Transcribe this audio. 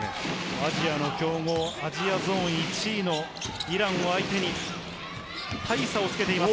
アジアの強豪、アジアゾーン１位のイランを相手に大差をつけています。